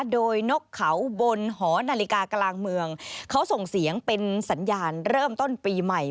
โดยนกเขาบนหอนาฬิกากลางเมืองเขาส่งเสียงเป็นสัญญาณเริ่มต้นปีใหม่